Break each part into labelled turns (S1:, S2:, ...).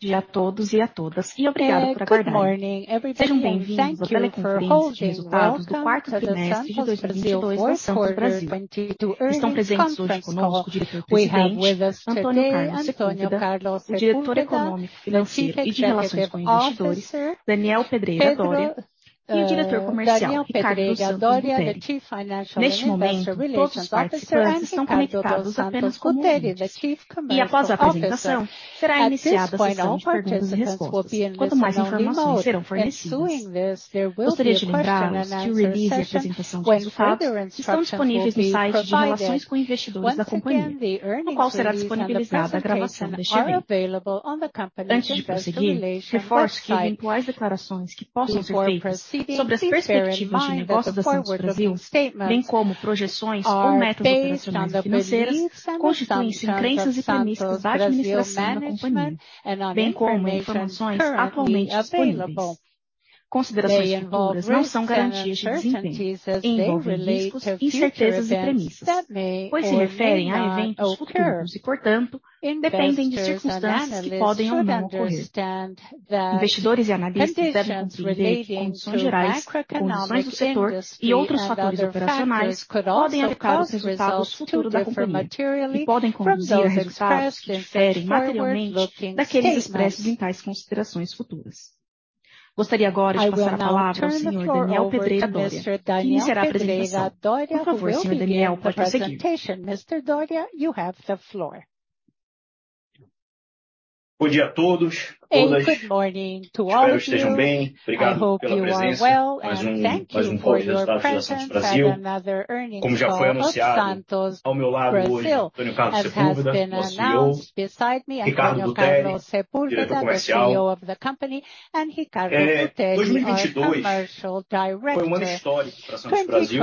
S1: Bom dia a todos e a todas. Obrigado por aguardarem. Sejam bem-vindos à teleconferência de resultados do quarto trimestre de 2022 da Santos Brasil. Estão presentes hoje conosco o Diretor Presidente, Antonio Carlos Sepúlveda, o Diretor Econômico-Financeiro e de Relações com Investidores, Daniel Pedreira Dorea, e o Diretor Comercial, Ricardo dos Santos Cotelli. Neste momento, todos os participantes estão conectados apenas com o mute. Após a apresentação, será iniciada a sessão de perguntas e respostas, quando mais informações serão fornecidas. Gostaria de convidá-los que revisem a apresentação de resultados que estão disponíveis no site de relações com investidores da companhia, o qual será disponibilizada a gravação deste evento. Antes de prosseguir, reforço que eventuais declarações que possam ser feitas sobre as perspectivas de negócios da Santos Brasil, bem como projeções ou metas operacionais e financeiras, constituem crenças e premissas da administração da companhia, bem como informações atualmente disponíveis. Considerações futuras não são garantias de desempenho, envolvem riscos e incertezas e premissas, pois se referem a eventos futuros e, portanto, dependem de circunstâncias que podem ou não ocorrer. Investidores e analistas devem compreender que condições gerais, condições do setor e outros fatores operacionais podem afetar os resultados futuros da companhia e podem conduzir a resultados que diferem materialmente daqueles expressos em tais considerações futuras. Gostaria agora de passar a palavra ao Senhor Daniel Pedreira Dorea, que iniciará a apresentação. Por favor, Senhor Daniel, pode prosseguir.
S2: Bom dia a todos, todas. Espero que estejam bem. Obrigado pela presença a mais um bom resultado de Santos Brasil. Como já foi anunciado, ao meu lado hoje, Antonio Carlos Sepúlveda, nosso CEO, e Ricardo Cotelli, Diretor Comercial. 2022 foi um ano histórico para Santos Brasil,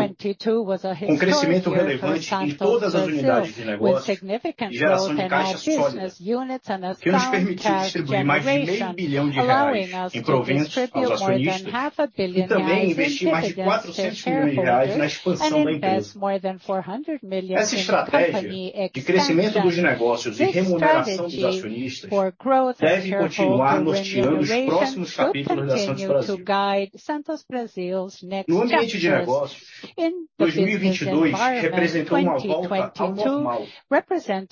S2: com crescimento relevante em todas as unidades de negócios e geração de caixa sólida, que nos permitiu distribuir mais de meio bilhão de BRL em proventos aos acionistas e também investir mais de 400 milhões de BRL na expansão da empresa. Essa estratégia de crescimento dos negócios e remuneração dos acionistas deve continuar norteando os próximos capítulos da Santos Brasil. No ambiente de negócios, 2022 representou uma volta ao normal,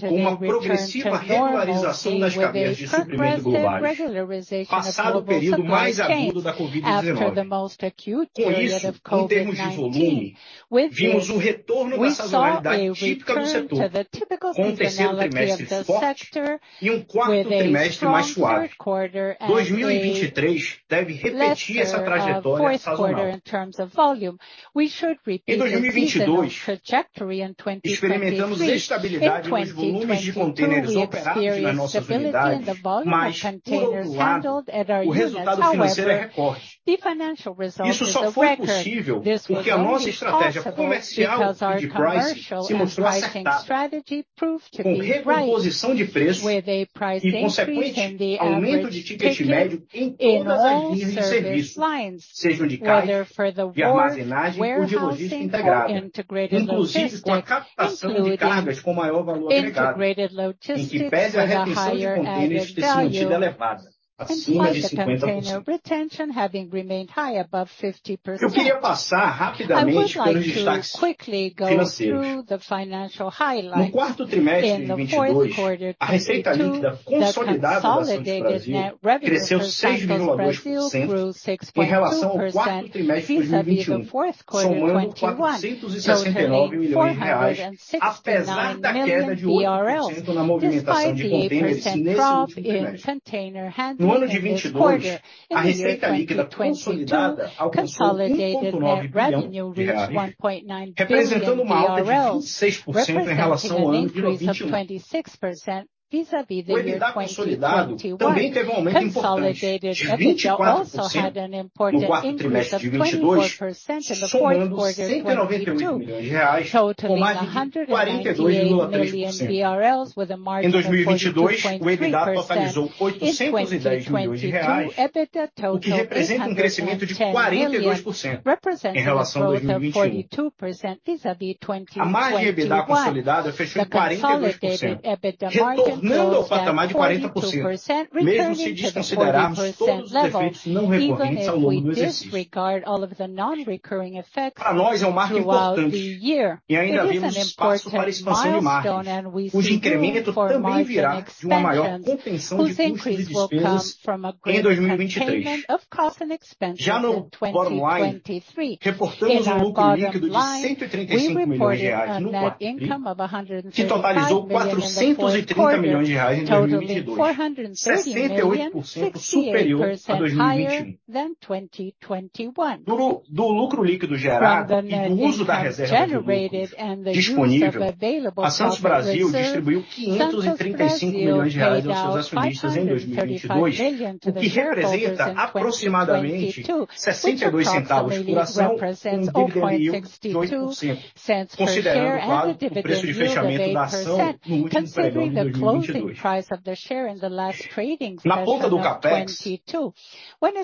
S2: com uma progressiva regularização das cadeias de suprimentos globais, passado o período mais agudo da COVID-19. Em termos de volume, vimos o retorno da sazonalidade típica do setor, com um 3rd quarter forte e um 4th quarter mais suave. 2023 deve repetir essa trajetória sazonal. Em 2022, experimentamos estabilidade nos volumes de contêineres operados nas nossas unidades, o resultado financeiro é recorde. Isso só foi possível porque a nossa estratégia comercial e de pricing se mostrou acertada, com recomposição de preços e consequente aumento de ticket médio em todas as linhas de serviço, sejam de carga, de armazenagem ou de logística integrada, inclusive com a captação de cargas com maior valor agregado, em que pese a retenção de contêineres ter se mantido elevada, acima de 50%. Eu queria passar rapidamente pelos destaques financeiros. No quarto trimestre de 2022, a receita líquida consolidada da Santos Brasil cresceu 6.2% em relação ao quarto trimestre de 2021, somando BRL 469 million, apesar da queda de 8% na movimentação de contêineres nesse último trimestre. No ano de 2022, a receita líquida consolidada alcançou BRL 1.9 billion, representando uma alta de 26% em relação ao ano de 2021. O EBITDA consolidado também teve um aumento importante de 24% no quarto trimestre de 2022, somando BRL 198 million, com margem de 42.3%. Em 2022, o EBITDA totalizou BRL 810 million, o que representa um crescimento de 42% em relação a 2021. A margem de EBITDA consolidada fechou em 42%, retornando ao patamar de 40%, mesmo se desconsiderarmos todos os efeitos não recorrentes ao longo do exercício. Para nós, é um marco importante e ainda vemos espaço para expansão de margens, cujo incremento também virá de uma maior contenção de custos e despesas em 2023. No bottom line, reportamos um lucro líquido de BRL 135 million no quarto tri, que totalizou BRL 430 million em 2022, 78% superior a 2021. Do lucro líquido gerado e do uso da reserva de lucro disponível, a Santos Brasil distribuiu 535 million reais aos seus acionistas em 2022, o que representa aproximadamente BRL 0.62 por ação e um dividend yield de 8%, considerando o valor, o preço de fechamento da ação no último pregão de 2022. Na ponta do CapEx,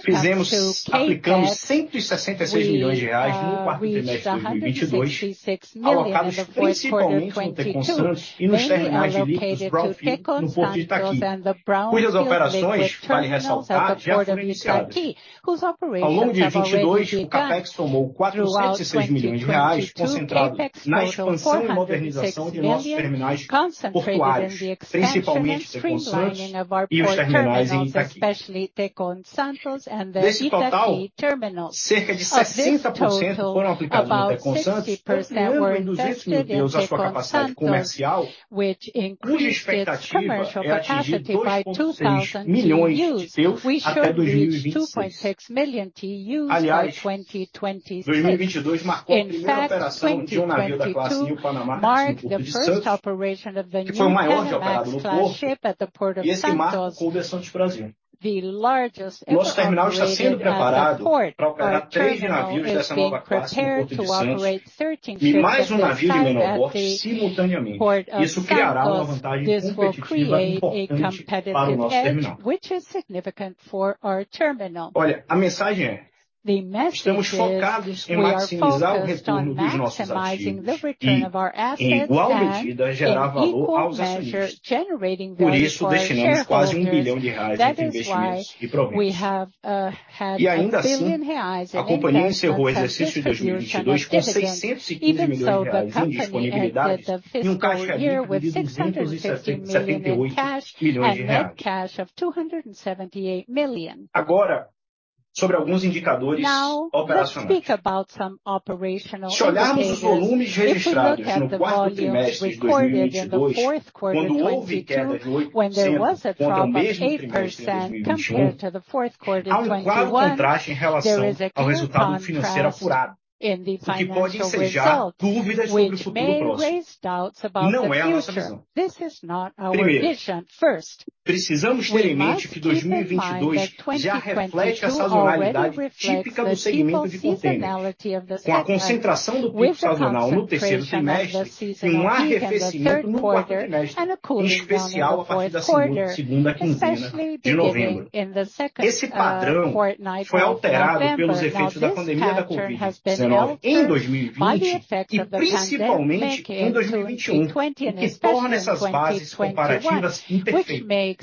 S2: fizemos, aplicamos 166 million reais no Q4 2022, alocados principalmente no Tecon Santos e nos terminais de líquidos brownfield, no Porto de Itaqui, cujas operações, vale ressaltar, já foram iniciadas. Ao longo de 2022, o CapEx somou 406 million reais, concentrado na expansão e modernização de nossos terminais portuários, principalmente o Tecon Santos e os terminais em Itaqui. Desse total, cerca de 70% foram aplicados no Tecon Santos, aumentando em 200,000 TEUs a sua capacidade comercial, cuja expectativa é atingir 2.6 million TEUs até 2026. 2022 marcou a primeira operação de um navio da classe New Panamax no Porto de Santos, que foi o maior já operado no Porto, e esse marco coube à Santos Brasil. Nosso terminal está sendo preparado para operar three navios dessa nova classe no Porto de Santos e mais um navio de menor porte simultaneamente. Isso criará uma vantagem competitiva importante para o nosso terminal. A mensagem é. Estamos focados em maximizar o retorno dos nossos ativos e, em igual medida, gerar valor aos acionistas. Destinamos quase R$ 1 bilhão entre investimentos e proventos. Ainda assim, a companhia encerrou o exercício de 2022 com R$ 650 million em disponibilidades e um caixa líquido de R$ 278 million. Sobre alguns indicadores operacionais. Se olharmos os volumes registrados no quarto trimestre de 2022, quando houve queda de 8% contra o mesmo trimestre de 2021, há um claro contraste em relação ao resultado financeiro apurado, o que pode ensejar dúvidas sobre o futuro próximo. Não é a nossa visão. Primeiro, precisamos ter em mente que 2022 já reflete a sazonalidade típica do segmento de contêiner, com a concentração do pico sazonal no terceiro trimestre e um arrefecimento no quarto trimestre, em especial a partir da segunda quinzena de novembro. Esse padrão foi alterado pelos efeitos da pandemia da COVID-19 em 2020 e principalmente em 2021, o que torna essas bases comparativas imperfeitas.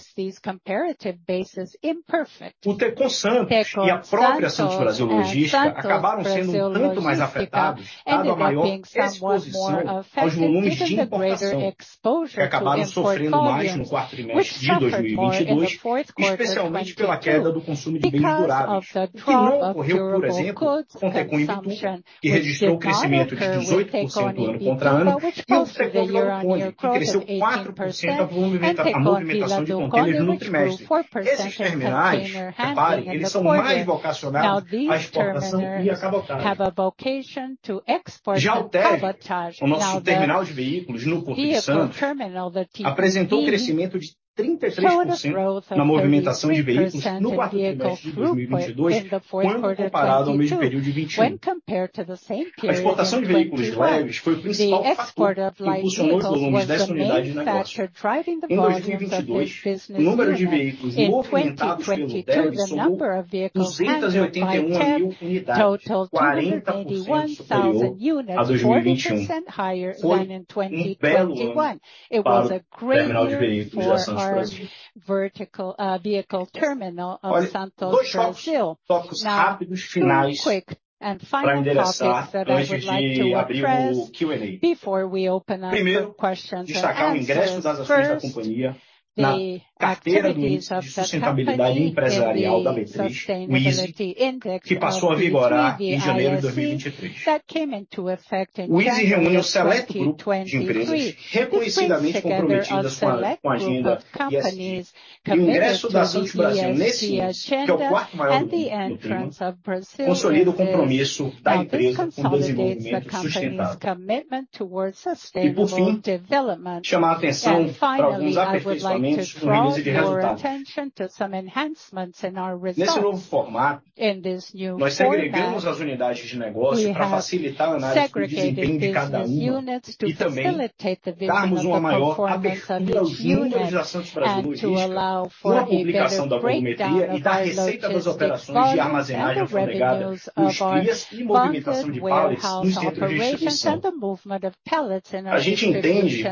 S2: O Tecon Santos e a própria Santos Brasil Logística acabaram sendo um tanto mais afetados, dado a maior exposição aos volumes de importação, que acabaram sofrendo mais no quarto trimestre de 2022, especialmente pela queda do consumo de bens duráveis, o que não ocorreu, por exemplo, com o Tecon Itapoá, que registrou crescimento de 18% year-over-year, e o Tecon Vila do Conde, que cresceu 4% a movimentação de contêineres no trimestre. Esses terminais, repare, eles são mais vocacionados à exportação e à cabotagem. O TEV, o nosso terminal de veículos no Port of Santos, apresentou crescimento de 33% na movimentação de veículos no quarto trimestre de 2022, quando comparado ao mesmo período de 2021. A exportação de veículos leves foi o principal fator que impulsionou os volumes dessa unidade de negócio. Em 2022, o número de veículos movimentados pelo TEV somou 281,000 unidades, 40% superior a 2021. Foi um belo ano para o terminal de veículos da Santos Brasil. Olha, dois tópicos rápidos finais pra endereçar antes de abrir o Q&A. Primeiro, destacar o ingresso das ações da companhia na carteira do Índice de Sustentabilidade Empresarial da B3, o ISE, que passou a vigorar em janeiro de 2023. O ISE reúne um seleto grupo de empresas reconhecidamente comprometidas com a agenda ESG, e o ingresso da Santos Brasil nesse índice, que é o quarto maior do mercado primário, consolida o compromisso da empresa com o desenvolvimento sustentável. Por fim, chamar a atenção pra alguns aperfeiçoamentos no índice de resultados. Nesse novo formato, nós segregamos as unidades de negócio pra facilitar a análise do desempenho de cada uma e também darmos uma maior abertura aos números da Santos Brasil Logística, com a publicação da volumetria e da receita das operações de armazenagem agregada, os Crias, e movimentação de pallets nos centros de distribuição. A gente entende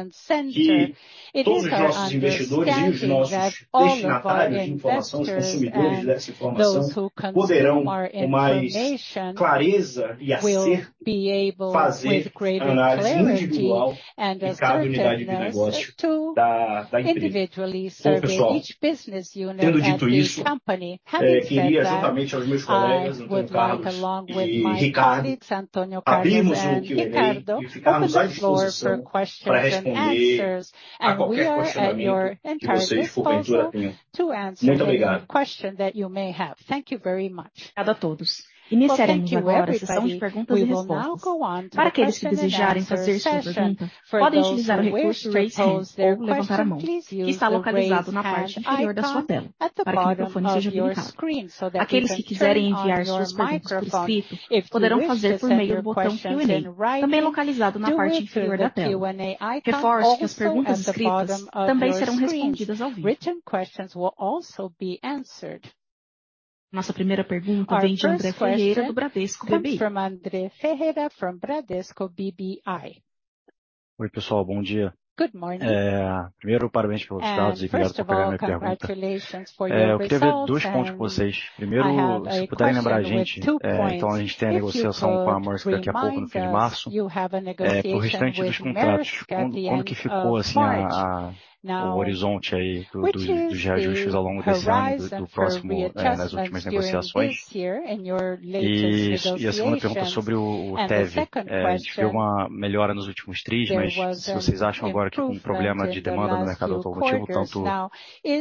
S2: que todos os nossos investidores e os nossos destinatários de informação, os consumidores dessa informação, poderão com mais clareza e acerto, fazer análise individual em cada unidade de negócio da empresa. Tendo dito isso, queria juntamente aos meus colegas, Antonio Carlos e Ricardo, abrirmos o Q&A e ficarmos à disposição pra responder a qualquer questionamento que vocês por ventura tenham. Muito obrigado.
S1: Obrigada a todos. Iniciaremos agora a sessão de perguntas e respostas. Para aqueles que desejarem fazer sua pergunta, podem utilizar o recurso "raise hand" ou levantar a mão, que está localizado na parte inferior da sua tela, para que o microfone seja ligado. Aqueles que quiserem enviar suas perguntas por escrito, poderão fazer por meio do botão Q&A, também localizado na parte inferior da tela. Reforço que as perguntas escritas também serão respondidas ao vivo. Nossa primeira pergunta vem de André Ferreira, do Bradesco BBI.
S3: Oi pessoal, bom dia. Primeiro, parabéns pelos resultados e obrigado por pegar minha pergunta. Eu queria ver 2 pontos com vocês. Primeiro, se puderem lembrar a gente, a gente tem a negociação com a Maersk daqui a pouco, no fim de março, pro restante dos contratos, como que ficou o horizonte aí dos reajustes ao longo desse ano e do próximo nas últimas negociações. A segunda pergunta é sobre o TEV. A gente viu uma melhora nos últimos tris, mas se vocês acham agora que o problema é de demanda no mercado automotivo, tanto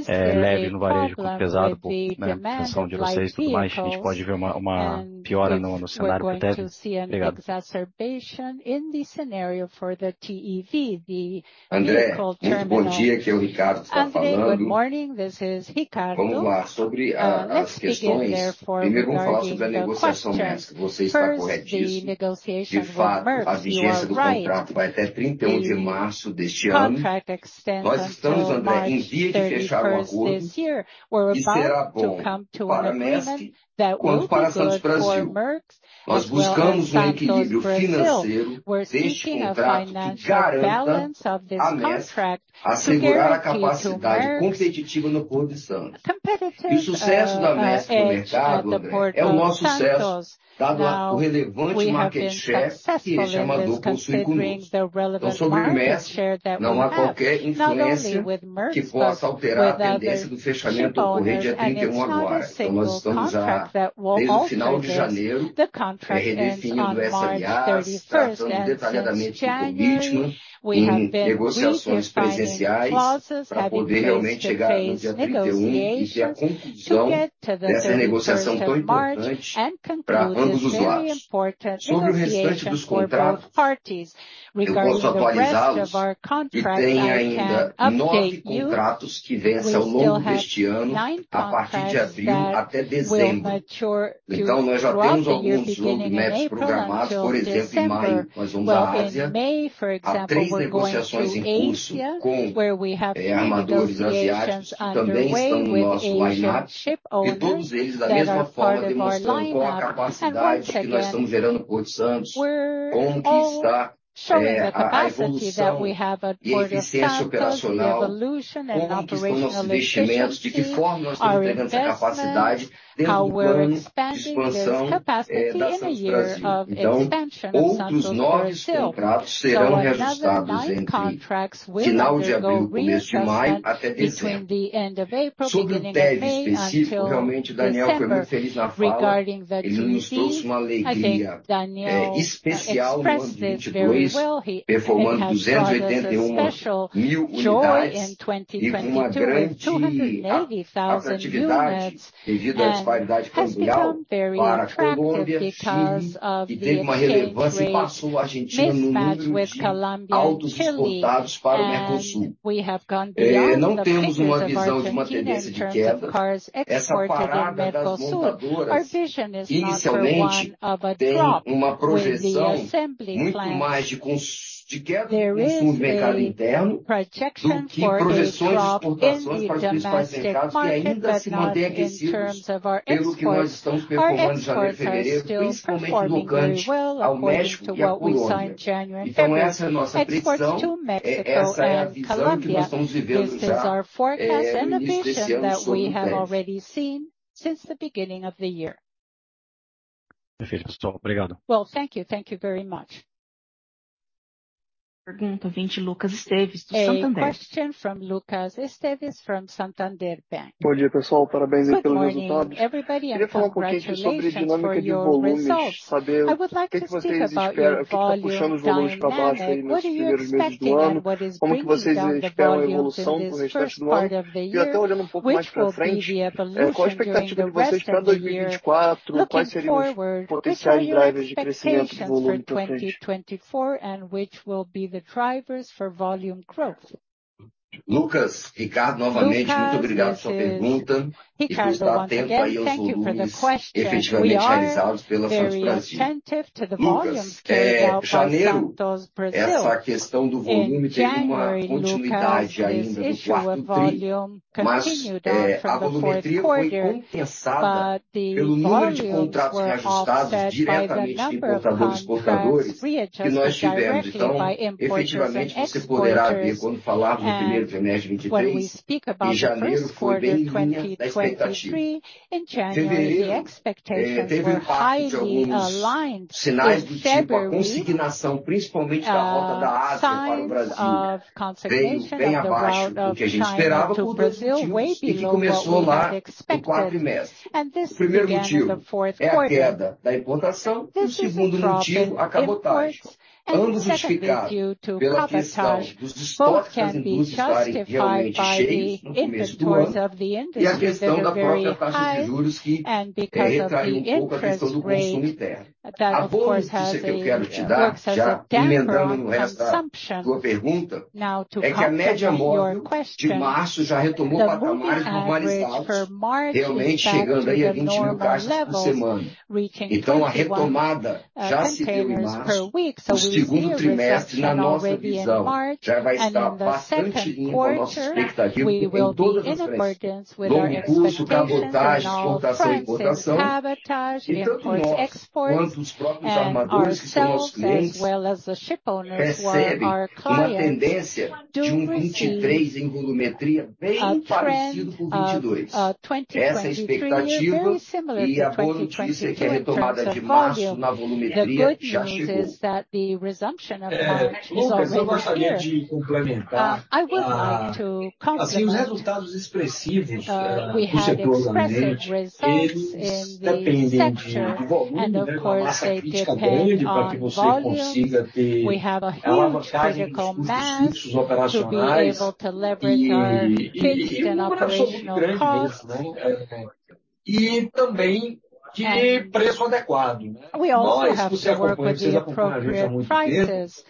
S3: leve no varejo, quanto pesado, né, na função de vocês, tudo mais, a gente pode ver uma piora no cenário pro TEV. Obrigado.
S2: André, muito bom dia. Aqui é o Ricardo que está falando. Vamos lá. Sobre as questões, primeiro vamos falar sobre a negociação Maersk. Você está corretíssimo. De fato, a vigência do contrato vai até 31 de março deste ano. Nós estamos, André, em via de fechar o acordo, que será bom para a Maersk, quanto para Santos Brasil. Nós buscamos um equilíbrio financeiro deste contrato, que garanta à Maersk assegurar a capacidade competitiva no Porto de Santos. O sucesso da Maersk no mercado, André, é o nosso sucesso, dado o relevante market share que esse armador possui conosco. Sobre o Maersk, não há qualquer influência que possa alterar a tendência do fechamento ocorrer dia 31 agora. Nós estamos, desde o final de janeiro, reedificando essa aliança, tratando detalhadamente os compromissos em negociações financeiras, para poder realmente chegar no dia 31 e ter a conclusão dessa negociação tão importante para ambos os lados. Sobre o restante dos contratos, eu posso atualizá-los, que tem ainda nove contratos que vencem ao longo deste ano, a partir de abril até dezembro. Nós já temos alguns lotes médios programados. Por exemplo, em maio, nós vamos à Ásia. Há três negociações em curso com armadores asiáticos que também estão no nosso line up, e todos eles da mesma forma demonstrando qual a capacidade que nós estamos gerando no Porto Lucas, Ricardo novamente. Muito obrigado pela sua pergunta. Pelo dá tempo aí aos volumes efetivamente realizados pela Santos Brasil. Lucas, janeiro, essa questão do volume teve uma continuidade ainda do quarto tri, a volumetria foi compensada pelo número de contratos reajustados diretamente por importadores e exportadores que nós tivemos. Efetivamente, você poderá ver quando falarmos no primeiro trimestre de 2023, em janeiro foi bem linha da expectativa. Em fevereiro, teve o impacto de alguns sinais de tipo a consignação, principalmente da rota da Ásia para o Brasil, veio bem abaixo do que a gente esperava por dois motivos, que começou lá no quarto bimestre. O primeiro motivo é a queda da importação e o segundo motivo, a cabotagem. Ambos justificados pela questão dos stock das indústrias estarem realmente cheios no começo do ano, e a questão da própria taxa de juros, que recai um pouco a questão do consumo interno. A boa notícia que eu quero te dar, já emendando no resto da tua pergunta, é que a média móvel de março já retomou patamares normalizados, realmente chegando aí a 20,000 caixas por semana. A retomada já se viu em março. No segundo trimestre, na nossa visão, já vai estar bastante em linha com a nossa expectativa em todas as frentes. No curso da cabotagem, exportação e importação, tanto nós quanto os próprios armadores, que são nossos clientes, percebem uma tendência de um 23 em volumetria bem parecido com o 22. Essa é a expectativa. A boa notícia é que a retomada de março na volumetria já chegou.
S4: Lucas, eu gostaria de complementar. Assim, os resultados expressivos do setor organizante, eles dependem de volume, dependem de uma massa crítica grande pra que você consiga ter a alavancagem dos custos fixos operacionais e um portfólio muito grande mesmo, né? E também
S2: De preço adequado, né? Nós, você é acompanhante, você tá acompanhando a gente há muito tempo.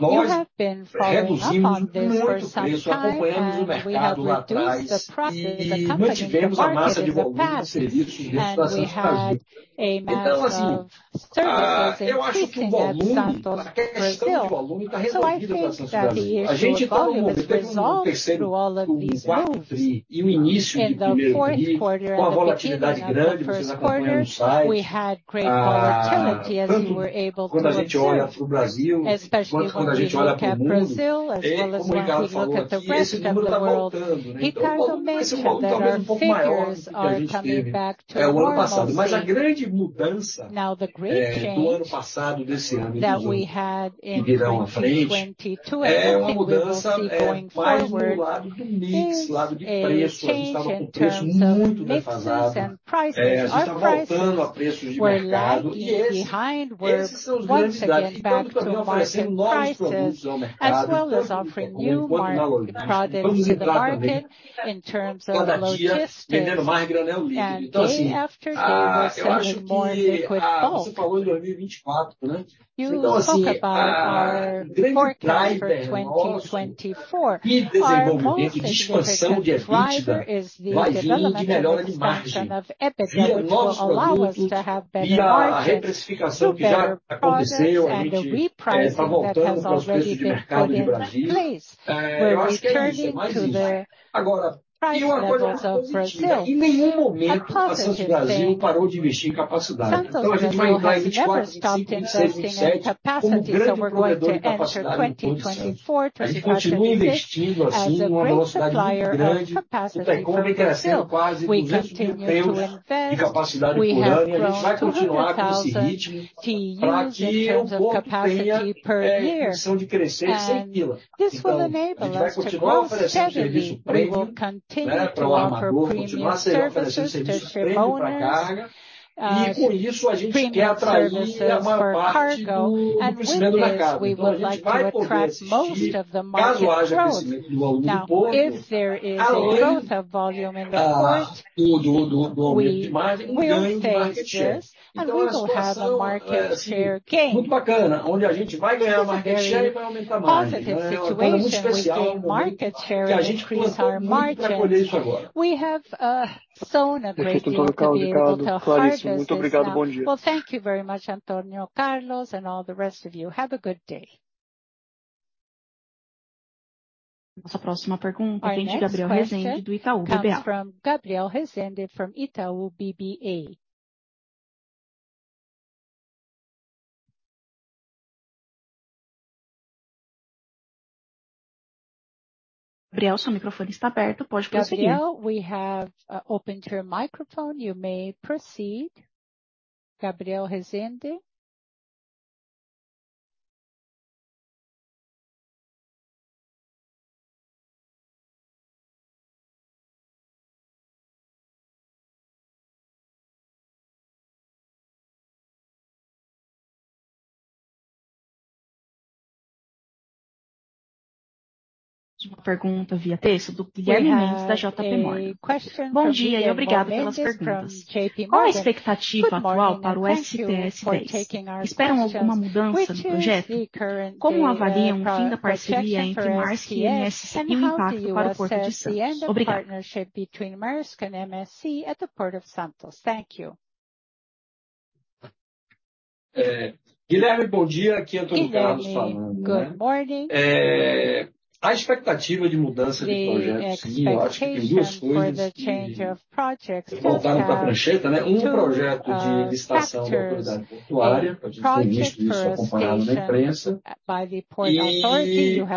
S2: Nós reduzimos muito o preço, acompanhamos o mercado lá atrás e mantivemos a massa de volume de serviços de restauração de Santos Brasil. Então assim, eu acho que o volume, a questão de volume tá resolvida pra Santos Brasil. A gente tá num momento, até o fim do terceiro, do quarto tri e o início de primeiro tri, com uma volatilidade grande, você tá acompanhando os sites. Tanto quando a gente olha pro Brasil, quanto quando a gente olha pro mundo, é como o Ricardo falou aqui, esse número tá voltando, né? Então esse volume tá um pouco maior do que a gente teve, o ano passado. A grande mudança do ano passado desse ano de 2022 e virão à frente, é uma mudança mais no lado do mix, lado de preço, a gente tava com preço muito defasado. A gente tá voltando a preços de mercado e esse, esses são os grandes desafios. Tanto também oferecendo novos produtos ao mercado, quanto na logística. Vamos entrar também. Cada dia vendendo mais granel líquido. Eu acho que você falou em 2024, né? O grande driver nosso de desenvolvimento, de expansão de EBITDA vai vim de melhora de margem, via novos produtos, via a reprecificação que já aconteceu. A gente tá voltando pra os preços de mercado do Brasil. Eu acho que é isso, é mais isso. Agora, eu acordo um positivo, né? Em nenhum momento a Santos Brasil parou de investir em capacidade. A gente vai entrar em 2024, 2025, 2026 como grande provedor de capacidade no Porto de Santos. A gente continua investindo, assim, uma velocidade muito grande, o Percom vem crescendo quase no mesmo tempo de capacidade por ano, para que o porto tenha condição de crescer e seguir lá. A gente vai continuar oferecendo serviço premium, né, para o armador, oferecendo serviços premium para carga, com isso a gente quer atrair a maior parte do movimento no mercado. A gente vai poder assistir, caso haja crescimento de volume no porto, além do aumento de margem, ganho de market share. A situação é assim, muito bacana, onde a gente vai ganhar market share e vai aumentar a margem, né? É muito especial o momento que a gente plantou muito pra colher isso agora.
S4: Perfeito, Antonio Carlos. Claríssimo. Muito obrigado. Bom dia.
S1: Nossa próxima pergunta vem de Gabriel Rezende, do Itaú BBA. Gabriel, we have opened your microphone. You may proceed. Gabriel Rezende. Temos uma pergunta via texto do Guilherme Mendes, da J.P. Morgan. Bom dia e obrigado pelas perguntas. Qual a expectativa atual para o STS 10? Esperam alguma mudança no projeto? Como avaliam o fim da parceria entre Maersk e MSC e o impacto para o Porto de Santos? Obrigada.
S2: Guilherme, bom dia. Aqui é Antonio Carlos falando, né. A expectativa de mudança de projetos, sim, eu acho que tem duas coisas que voltaram pra prancheta, né? Um projeto de licitação da autoridade portuária, já tinha visto isso acompanhado na imprensa.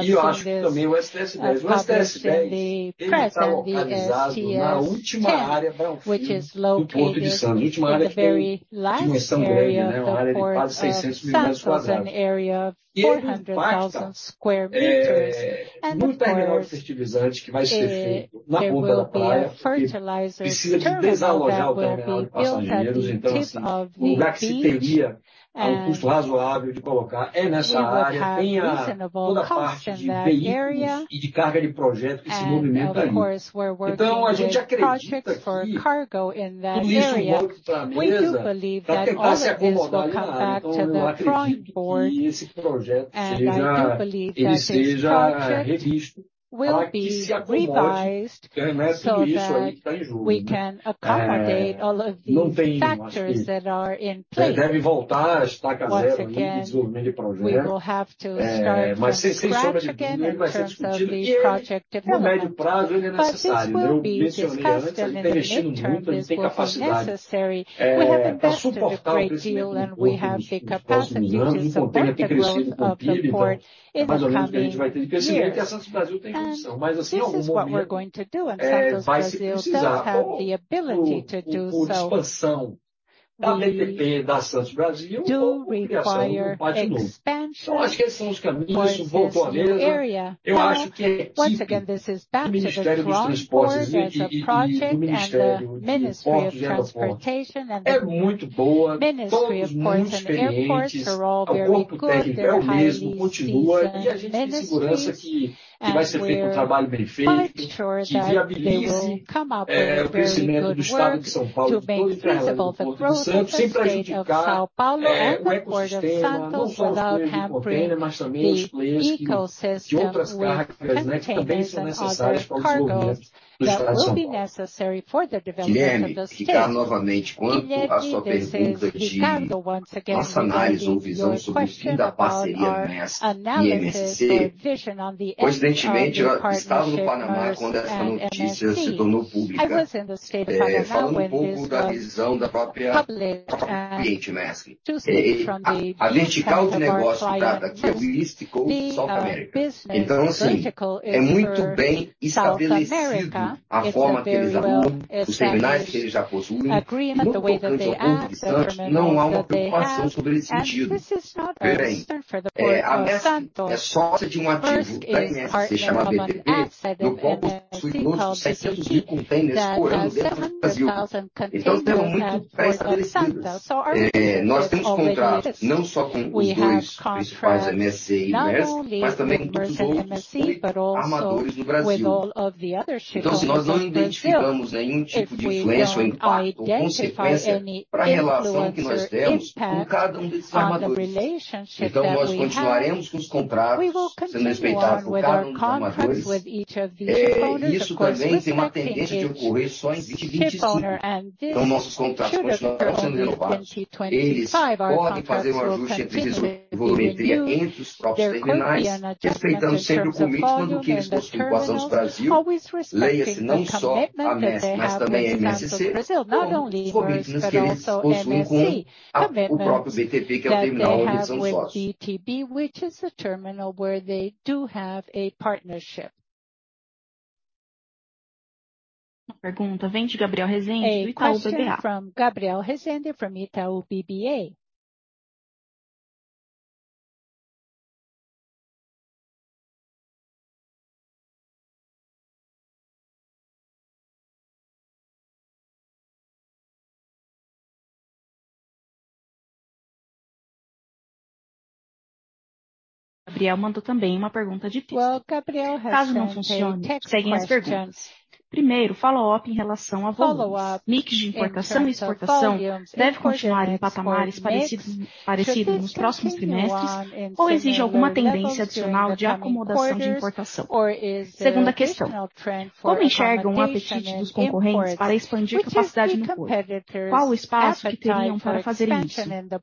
S2: Eu acho que também o STS 10. O STS 10, ele tá localizado na última área, bem ao fim do Porto de Santos. A última área que tem dimensão grande, né? Uma área de quase 600,000 metros quadrados. É uma área que tá no terminal de fertilizante, que vai ser feito na boca da praia, porque precisa de desalojar o terminal de passageiros. Assim, o lugar que se teria a um custo razoável de colocar é nessa área, tem a, toda a parte de veículos e de carga de projeto que se movimenta ali. A gente acredita que, com o nicho morto pra mesa, pra tentar se acomodar ali na área. Eu acredito que esse projeto seja, ele seja revisto pra que se acomode os remessos que isso aí tá em jogo. Não tem, eu acho que, deve voltar à estaca zero em desenvolvimento de projeto. Mas sem sombra de dúvida ele vai ser discutido, que é, no médio prazo ele é necessário, né? Eu pensei antes, a gente tem investido muito, a gente tem capacidade pra suportar o crescimento do porto nos próximos anos. O porto ele tem crescido um pouquinho, então mais ou menos o que a gente vai ter de crescimento e a Santos Brasil tem condição. Assim, algum momento, vai se precisar ou o porto de expansão da TPP da Santos Brasil ou criação de um parque novo. Acho que esses são os caminhos, isso voltou à mesa. Eu acho que é típico do Ministério dos Transportes e do Ministério de Portos e Aeroportos. É muito. Ministry, of course, and the airports are all very good. There are high sea standards, ministries that will make sure that they will come up with very good works to make sustainable the growth of the state of São Paulo and the Port of Santos, without hampering the ecosystem with containers and other cargos that will be necessary for the development of the state. Guilherme, Ricardo, once again, regarding your question about our analysis or vision on the end of the partnerships with MSC. I was in the state of Panama when this public choose from the vertical of our client, MSC. The business vertical is for South America. It's a very well-established agreement, the way that they operate, the terminals that they have. This is not a concern for the Port of Santos. First, partner common asset in MSC
S1: Well, Gabriel has sent a text questions. Follow-up in terms of volumes, import and export mix. Should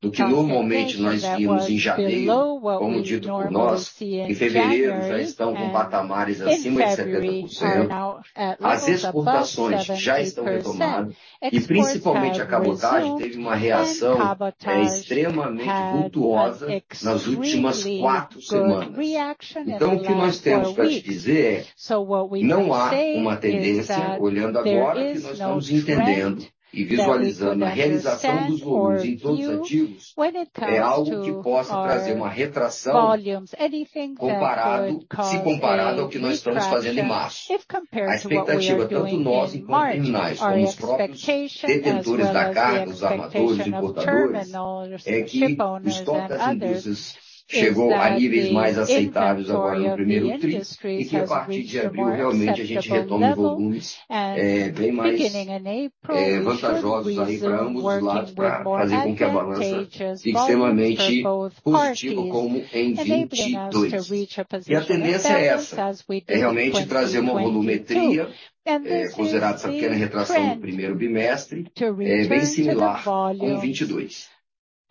S1: this continue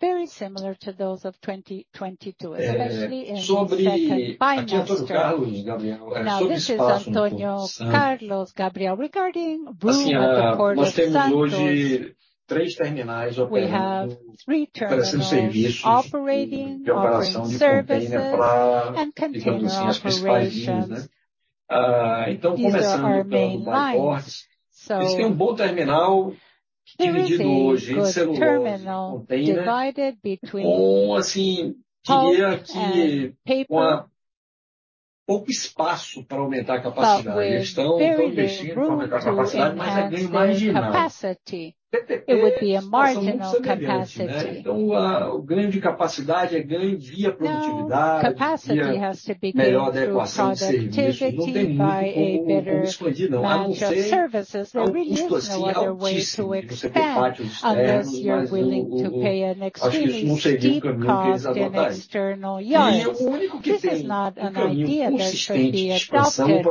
S2: clear trend to return to the volumes very similar to those of 2022, especially in the second trimester. This is Antonio Carlos Gabriel regarding room at the Port of Santos. We have three terminals operating, offering services and container operations. These are our main lines. There is a good terminal divided between pulp and paper, but with very little room to enhance the capacity. It would be a marginal capacity. Capacity has to be gained through productivity by a better match of services. There really is no other way to expand unless you're willing to pay an extremely steep cost in external yards. This is not an idea that should be adopted.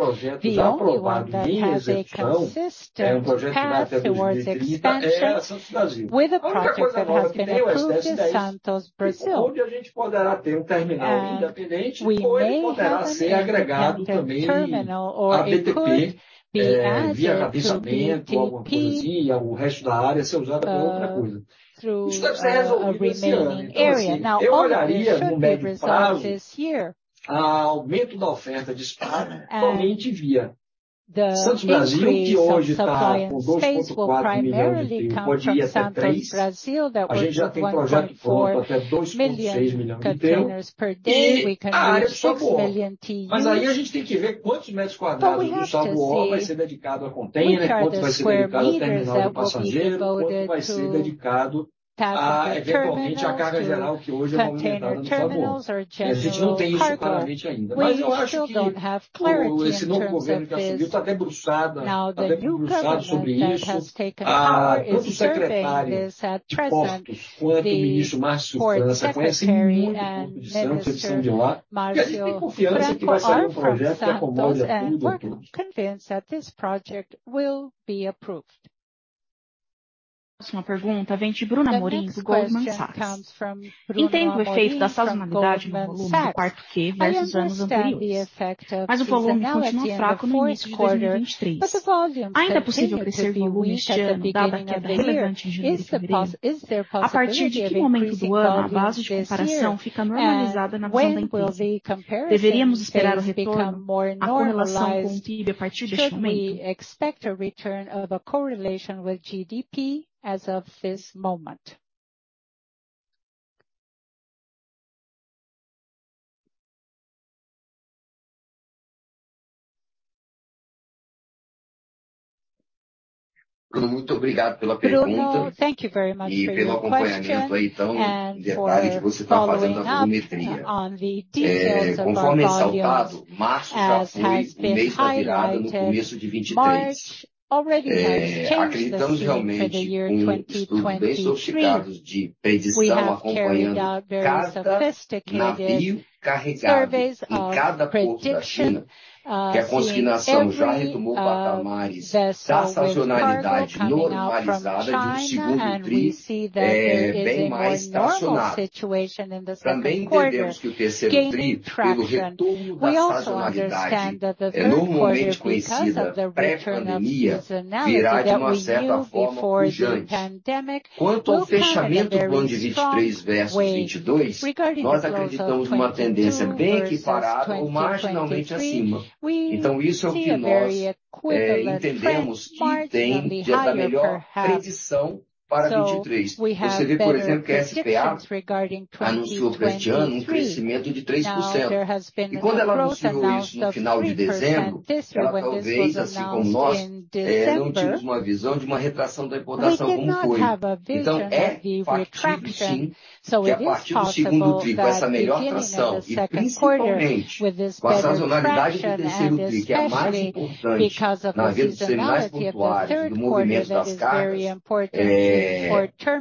S2: The only one that has a consistent path towards expansion with a project that has been approved is Santos Brasil. We may have an independent terminal or É, via aterramento ou alguma coisa assim, e o resto da área ser usada pra outra coisa. Isso deve ser resolvido esse ano. Assim, eu olharia no médio prazo, a aumento da oferta de espaço, somente via Santos Brasil, que hoje tá com 2.4 million TEU, pode ir até 3. A gente já tem projeto de porto até 2.6 million TEU. A área de Saboó. Aí a gente tem que ver quantos metros quadrados do Saboó vai ser dedicado a container, quantos vai ser dedicado ao terminal de passageiro, quanto vai ser dedicado a, eventualmente, à carga geral, que hoje é mal entrada no Saboó. A gente não tem isso claramente ainda. Eu acho que esse novo governo que assumiu tá até bruçado sobre isso. Tanto o secretário de portos quanto o ministro Márcio França conhecem muito o Porto de Santos, eles são de lá. A gente tem confiança que vai sair um projeto que acomode a tudo e a todos.
S1: A próxima pergunta vem de Bruna Moraes, Goldman Sachs. Entendo o efeito da sazonalidade no volume do quarto Q versus anos anteriores, mas o volume continua fraco no início de 2023. Ainda é possível crescer volume este ano, dado a queda relevante em janeiro e fevereiro? A partir de que momento do ano a base de comparação fica normalizada na visão da empresa? Deveríamos esperar o retorno à correlação com o PIB a partir deste momento?
S2: Bruno, muito obrigado pela pergunta e pelo acompanhamento aí tão em detalhes que você tá fazendo da volumetria. Conforme ressaltado, março já foi um mês de virada no começo de 2023. Acreditamos realmente, com estudos bem sofisticados de predição, acompanhando cada navio carregado em cada porto da China, que a consignação já retomou patamares da sazonalidade normalizada de um 2Q, bem mais tracionado. Também entendemos que o 3Q, pelo retorno da sazonalidade, é normalmente conhecida pré-pandemia, virá de uma certa forma pujante. Quanto ao fechamento do ano de 2023 versus 2022, nós acreditamos numa tendência bem equiparada ou marginalmente acima. Isso é o que nós entendemos que tem já de melhor predição para 2023. Você vê, por exemplo, que a SPA anunciou pra este ano um crescimento de 3%. Quando ela anunciou isso no final de December, ela talvez, assim como nós, não tínhamos uma visão de uma retração da importação como foi. É factível, sim, que a partir do segundo tri, com essa melhor tração e principalmente com a sazonalidade do terceiro tri, que é a mais importante nas redes terminais portuárias e do movimento das cargas,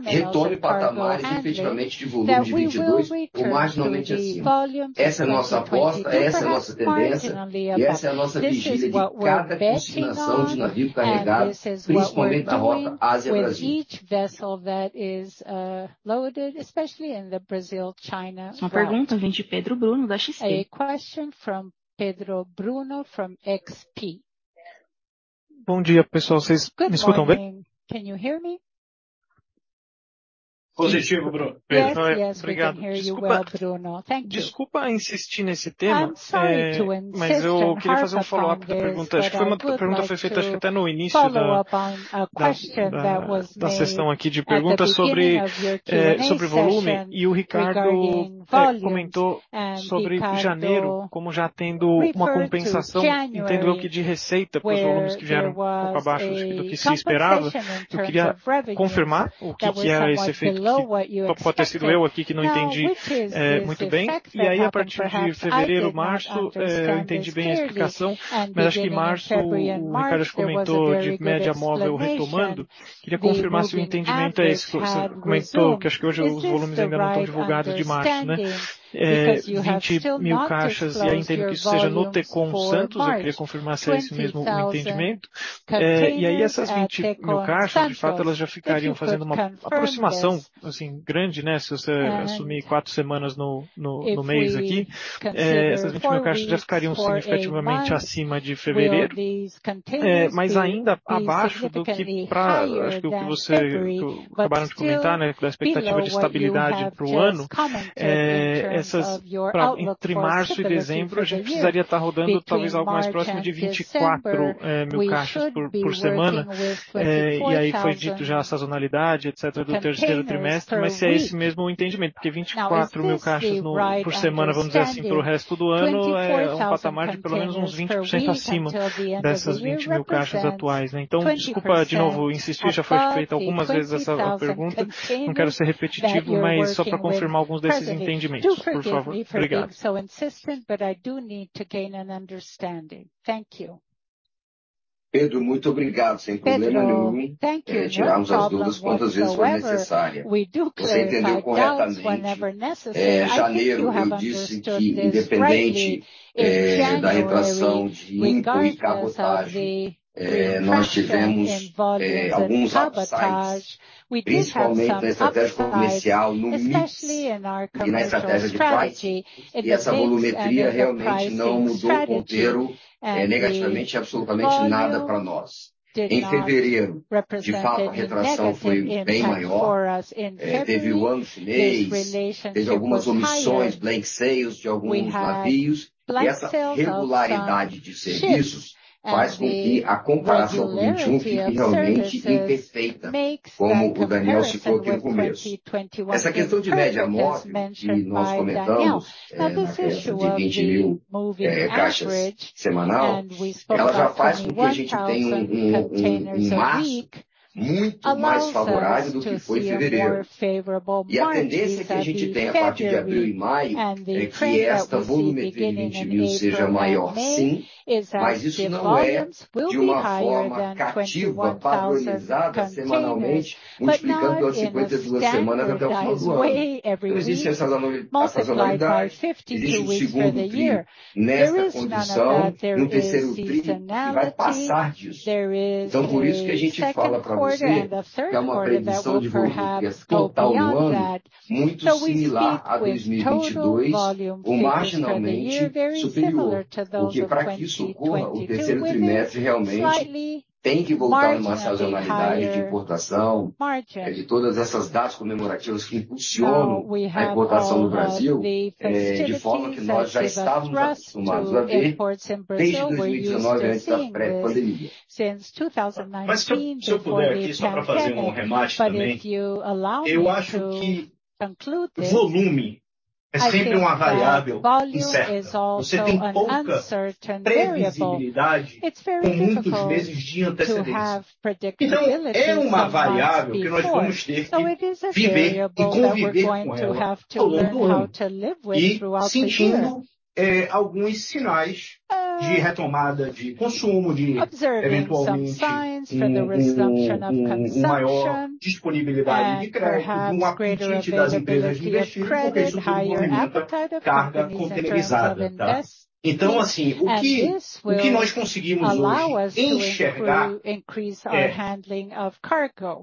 S2: retorne patamares efetivamente de volume de 2022 ou marginalmente acima. Essa é a nossa aposta, essa é a nossa tendência e essa é a nossa vigília de cada consignação de navio carregado, principalmente na rota Ásia-Brasil.
S1: A próxima pergunta vem de Pedro Bruno, da XP.
S5: Bom dia, pessoal, cês me escutam bem?
S2: Positivo, Pedro.
S5: Obrigado. Desculpa, desculpa insistir nesse tema, mas eu queria fazer um follow-up da pergunta. Acho que foi uma pergunta que foi feita, acho que até no início da sessão aqui de perguntas sobre volume, e o Ricardo comentou sobre janeiro como já tendo uma compensação, entendo eu, que de receita pros volumes que vieram um pouco abaixo do que, do que se esperava. Eu queria confirmar o que que era esse efeito, que pode ter sido eu aqui que não entendi muito bem. E aí a partir de fevereiro, março, eu entendi bem a explicação, mas acho que em março o Ricardo comentou de média móvel retomando. Queria confirmar se o entendimento é esse, que você comentou, que acho que hoje os volumes ainda não tão divulgados de março, né? 20,000 caixas, e eu entendo que isso seja no Tecon Santos, eu queria confirmar se é esse mesmo o entendimento. Aí essas 20,000 caixas, de fato, elas já ficariam fazendo uma aproximação, assim, grande, né? Se você assumir 4 semanas no mês aqui, essas 20,000 caixas já ficariam significativamente acima de fevereiro. Ainda abaixo do que acho que o que você acabou de comentar, né, da expectativa de estabilidade pro ano. Essas, entre março e dezembro, a gente precisaria tá rodando talvez algo mais próximo de 24,000 caixas por semana. Aí foi dito já a sazonalidade, etc, do terceiro trimestre, se é esse mesmo o entendimento, que 24,000 caixas no, por semana, vamos dizer assim, pro resto do ano, é um patamar de pelo menos uns 20% acima dessas 20,000 caixas atuais. Desculpa de novo insistir, já foi feita algumas vezes essa pergunta. Não quero ser repetitivo, mas só pra confirmar alguns desses entendimentos, por favor. Obrigado.
S2: Pedro, muito obrigado, sem problema nenhum em tirarmos as dúvidas quantas vezes for necessária. Você entendeu corretamente. Janeiro eu disse que independente da retração de import e cabotagem, nós tivemos alguns upsides, principalmente na estratégia comercial, no mix e na estratégia de pricing. Essa volumetria realmente não mudou o ponteiro negativamente em absolutamente nada pra nós. Em fevereiro, de fato, a retração foi bem maior. Teve o Ano Novo Chinês, teve algumas omissões, blank sailings de alguns navios. Essa regularidade de serviços faz com que a comparação com 2021 fique realmente imperfeita, como o Daniel citou aqui no começo. Essa questão de média móvel que nós comentamos, na casa de 20,000 caixas semanal, ela já faz com que a gente tenha um março muito mais favorável do que foi fevereiro. A tendência que a gente tem a partir de abril e maio, é que esta volumetria de 20,000 seja maior, sim, mas isso não é de uma forma cativa, padronizada semanalmente, multiplicando pelas 52 semanas até o final do ano. Existe a sazonalidade. Existe o 2º tri nesta condição e um 3º tri que vai passar disso. Por isso que a gente fala pra você que é uma previsão de volume para questão ao total do ano, muito similar à 2022, ou marginalmente superior, porque pra que isso ocorra, o 3º trimestre realmente tem que voltar numa sazonalidade de importação de todas essas datas comemorativas que impulsionam a importação no Brasil, de forma que nós já estávamos acostumados a ver desde 2019, antes da pré-pandemia. Se eu puder aqui só pra fazer um arremate também. Eu acho que volume é sempre uma variável incerta. Você tem pouca previsibilidade com muitos meses de antecedência. É uma variável que nós vamos ter que viver e conviver com ela ao longo do ano. Sentindo, é, alguns sinais de retomada de consumo, de eventualmente maior disponibilidade de crédito, dum apetite das empresas de investir, talvez isso incrementa carga conteinerizada, tá? Assim, o que, o que nós conseguimos hoje enxergar, é,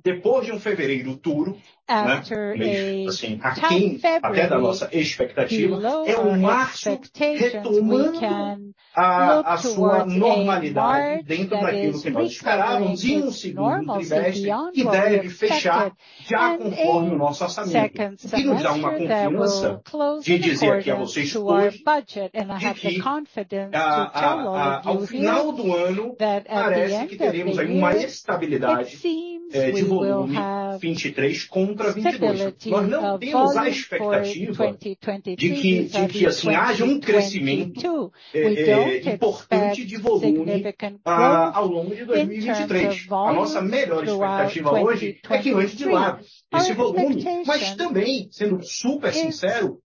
S2: depois de um fevereiro duro, né, meio que, assim, aquém até da nossa expectativa, é um março retomando a sua normalidade dentro daquilo que nós esperávamos e um segundo trimestre que deve fechar já conforme o nosso orçamento. Nos dá uma confiança de dizer a vocês hoje, de que, ao final do ano, parece que teremos aí uma estabilidade, é, de volume 2023 contra 2022. Nós não temos a expectativa de que, assim, haja um crescimento importante de volume ao longo de 2023. A nossa melhor expectativa hoje é que ande de lado esse volume, também sendo supersincero,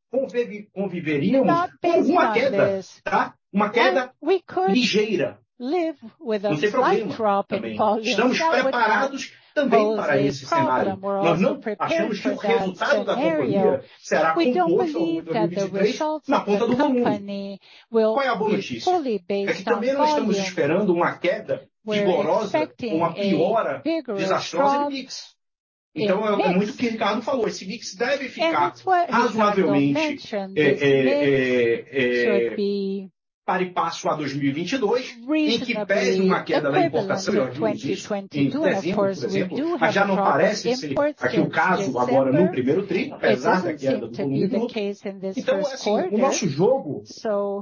S2: conviveríamos com uma queda, tá? Uma queda ligeira, sem problema também. Estamos preparados também para esse cenário. Nós não achamos que o resultado da companhia será composto em 2023 na ponta do volume. Qual é a boa notícia? É que também não estamos esperando uma queda vigorosa ou uma piora desastrosa de mix. É muito o que o Ricardo falou, esse mix deve ficar razoavelmente pari passu a 2022, em que pesa uma queda na importação. Eu digo isso em dezembro, por exemplo, mas já não parece ser aqui o caso agora no primeiro tri, apesar da queda do volume bruto. O nosso jogo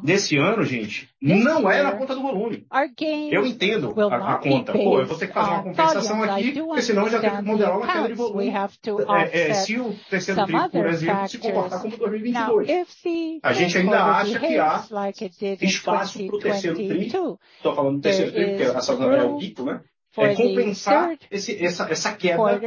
S2: nesse ano, gente, não é na ponta do volume. Eu entendo a conta. Pô, eu vou ter que fazer a compensação aqui, porque senão eu já tenho que modelar uma queda de volume, se o terceiro tri, por exemplo, se comportar como 2022. A gente ainda acha que há espaço pro terceiro tri. Tô falando do terceiro tri, porque a sazonal é o pico, né? É compensar essa queda,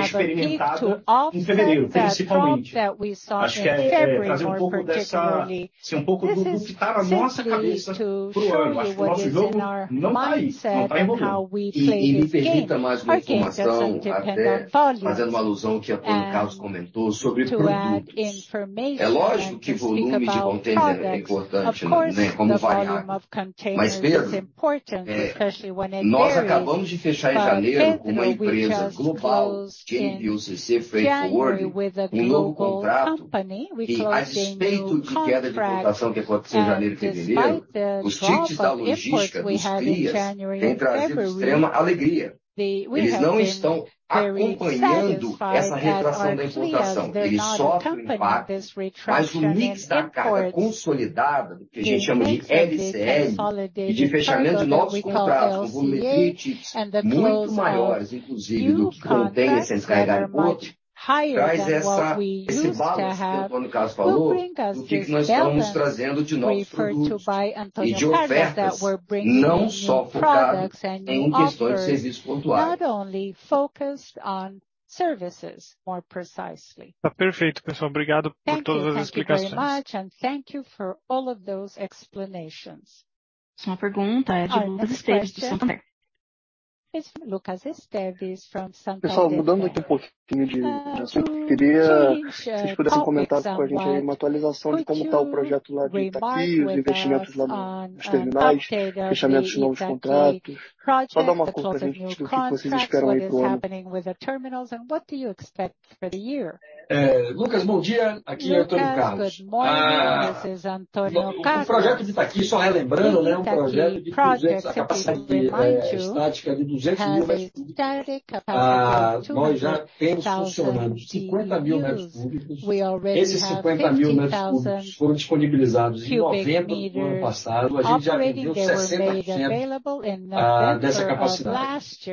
S2: experimentada em fevereiro, principalmente. Acho que é trazer um pouco dessa, assim, um pouco do que tá na nossa cabeça pro ano. Acho que o nosso jogo não tá aí, não tá em volume. Me permita mais uma informação, até fazendo uma alusão que Antonio Carlos comentou sobre produtos. É lógico que volume de contêiner é importante, né, como variável. Pedro, nós acabamos de fechar em janeiro com uma empresa global, quem viu CC Freight Forward, um novo contrato, que a despeito de queda de importação que aconteceu em janeiro e fevereiro, os tickets da logística dos Cleas vêm trazendo extrema alegria. Eles não estão acompanhando essa retração da importação. Eles sofrem o impacto, mas o mix da carga consolidada, do que a gente chama de LCA, e de fechamento de novos contratos com volumetria e tickets muito maiores, inclusive do que o que nós costumávamos ter, traz essa, esse balanço que o Antonio Carlos falou, do que que nós estamos trazendo de novos produtos e de ofertas, não só focado em questões de serviço pontuais.
S5: Tá perfeito, pessoal. Obrigado por todas as explicações.
S2: Próxima pergunta é de Lucas Esteves, do Santander. Lucas Esteves from Santander.
S6: Pessoal, mudando aqui um pouquinho de assunto. Queria, se vocês pudessem comentar com a gente aí uma atualização de como tá o projeto lá de Itaqui, os investimentos lá nos terminais, fechamentos de novos contratos. Só dá uma conta pra gente do que vocês esperam aí pro ano.
S2: Lucas, bom dia, aqui é Antonio Carlos.
S6: This is Antonio Carlos.
S2: Projeto de Itaqui, só relembrando, né, é um projeto de a capacidade estática de 200,000 metros cúbicos. Nós já temos funcionando 50,000 metros cúbicos. Esses 50,000 metros cúbicos foram disponibilizados em novembro do ano passado. A gente já vendeu 60% dessa capacidade.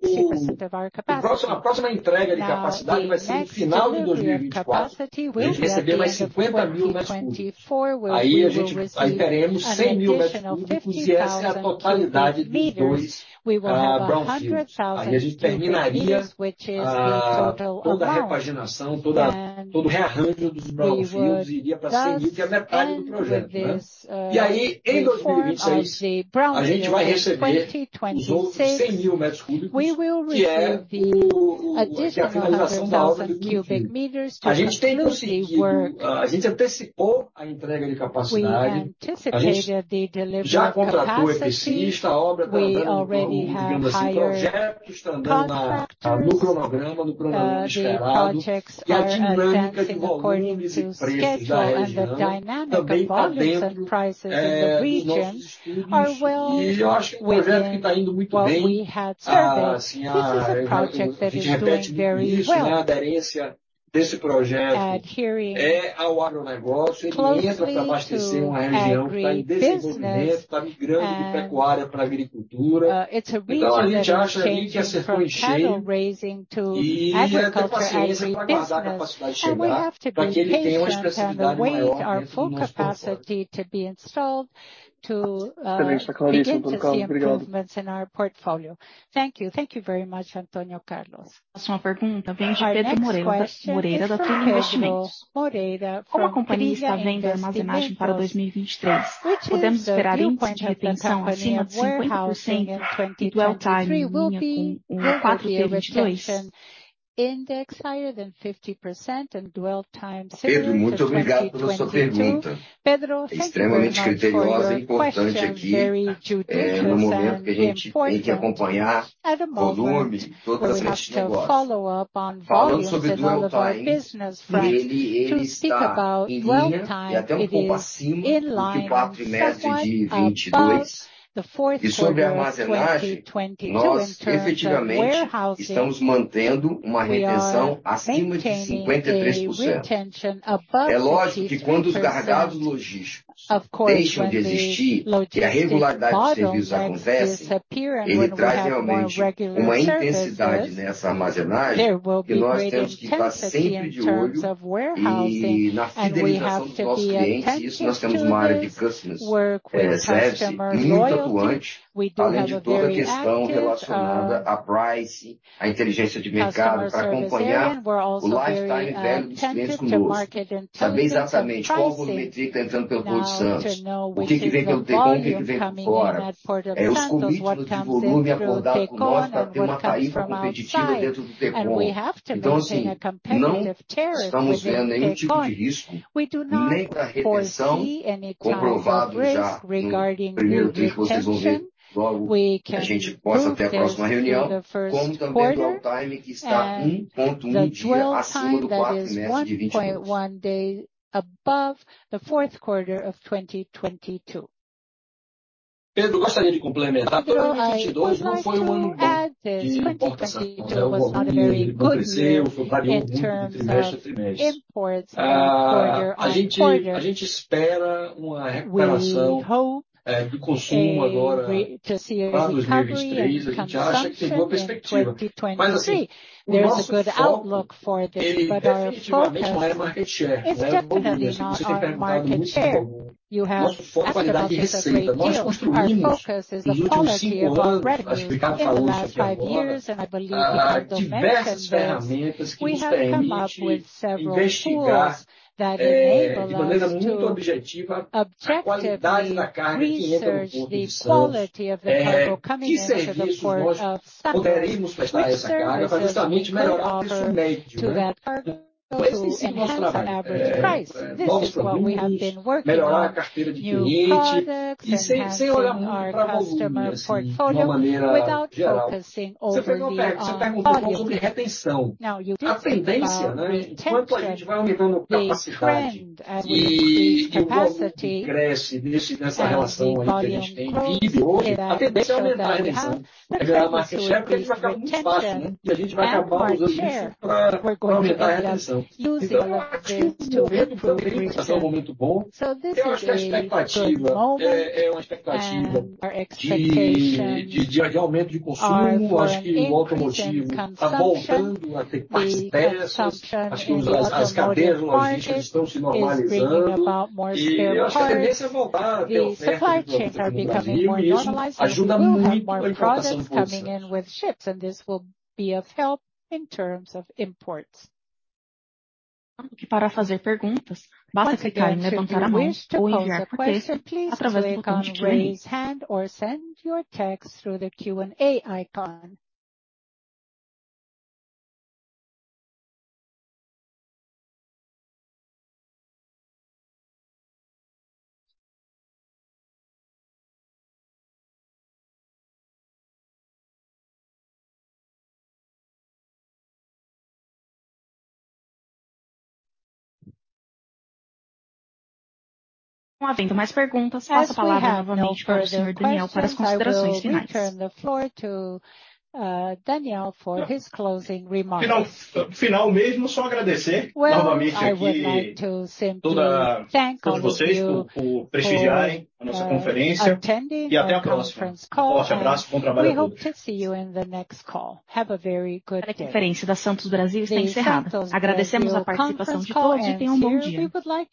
S2: O próximo, a próxima entrega de capacidade vai ser final de 2024. A gente receberá mais 50,000 metros cúbicos. Teremos 100,000 metros cúbicos, que essa é a totalidade dos dois brownfields. A gente terminaria toda a repaginação, todo o rearranjo dos brownfields, iria pra 100,000, que é a metade do projeto, né? Em 2026, a gente vai receber os outros 100,000 metros cúbicos, que é a finalização do acordo de Itaqui. A gente antecipou a entrega de capacidade. A gente já contratou o épicista, a obra tá andando com, digamos assim, projetos, tá andando no cronograma esperado, que a dinâmica de volumes e preços da região também tá dentro dos nossos estudos. Eu acho que é um projeto que tá indo muito bem. A gente repete o que disse, né? A aderência desse projeto é ao agronegócio. Ele entra pra abastecer uma região que tá em desenvolvimento, tá migrando de pecuária pra agricultura. A gente acha que a gente acertou em cheio. É da paciência pra aguardar a capacidade chegar, pra que ele tenha uma expressividade maior dentro do nosso portfólio.
S6: Excelente essa clareza, Antônio Carlos. Obrigado.
S2: Thank you. Thank you very much, Antonio Carlos.
S6: A próxima pergunta vem de Pedro Moreira, da Atria Investimentos. Como a companhia está vendo a armazenagem para 2023? Podemos esperar índice de retenção acima de 50% e dwell time em linha com o quarto T22?
S2: Pedro, muito obrigado pela sua pergunta. É extremamente criteriosa e importante aqui, no momento que a gente tem que acompanhar volume em todas as nossas negócios. Falando sobre dwell time, ele está em linha e até um pouco acima do que o quarto trimestre de 2022. Sobre a armazenagem, nós efetivamente estamos mantendo uma retenção acima de 53%. É lógico que quando os gargalos logísticos deixam de existir, que a regularidade de serviços acontece, ele traz realmente uma intensidade nessa armazenagem, que nós temos que estar sempre de olho. Na fidelização dos nossos clientes, isso nós temos uma área de customer success muito atuante, além de toda a questão relacionada a pricing, à inteligência de mercado, pra acompanhar o lifetime value do cliente conosco. Saber exatamente qual a volumetria que tá entrando pelo Porto de Santos, o que que vem pelo Tecon, o que que vem por fora. É os compromissos de volume acordado conosco pra ter uma tarifa competitiva dentro do Tecon. Assim, não estamos vendo nenhum tipo de risco nem pra retenção, comprovado já no primeiro trimestre. Vocês vão ver logo que a gente possa ter a próxima reunião, como também dwell time, que está 1 ponto 1 dia acima do quarto trimestre de 2022. Pedro, eu gostaria de complementar, 2022 não foi um ano bem que importa essa questão do volume, que ele cresceu, flutuou muito de trimestre a trimestre. A gente espera uma recuperação do consumo agora pra 2023. A gente acha que tem boa perspectiva. Assim, o nosso foco, ele efetivamente não é market share, não é volume. Você tem perguntado muito sobre volume. Nosso foco é qualidade de receita. Nós construímos em último 5 anos, acho que o Ricardo falou isso aqui agora, diversas ferramentas que nos permitem investigar de maneira muito objetiva a qualidade da carga que entra no Porto de Santos. Que serviços nós poderíamos prestar a essa carga pra justamente melhorar o preço médio, né? Esse sim é o nosso trabalho. Novos produtos, melhorar a carteira de cliente e sem olhar muito pra volume, assim, de uma maneira geral. Você perguntou sobre retenção. A tendência, né, enquanto a gente vai aumentando a capacidade e o volume cresce nesse, nessa relação aí que a gente tem vivo hoje, a tendência é aumentar a retenção. Porque pra market share, a gente vai acabar muito fácil, né? A gente vai acabar usando isso para aumentar a retenção. Eu acho que o momento para a gente é até um momento bom. Eu acho que a expectativa é uma expectativa de aumento de consumo. Acho que o automotivo está voltando a ter partes têxtil. Acho que as cadeias logísticas estão se normalizando. Eu acho que a tendência é voltar até o nível de volume que a gente tinha antes. Isso ajuda muito a importação de fosfato. Para fazer perguntas, basta clicar em levantar a mão ou enviar por texto através do botão de Q&A. Não havendo mais perguntas, passo a palavra novamente para o Senhor Daniel para as considerações finais.
S6: Final, final mesmo, só agradecer novamente aqui toda a, todos vocês por prestigiarem a nossa conferência e até a próxima. Um forte abraço e um bom trabalho a todos.
S2: A conferência da Santos Brasil está encerrada. Agradecemos a participação de todos e tenham um bom dia.